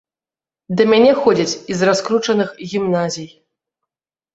Да мяне ходзяць і з раскручаных гімназій.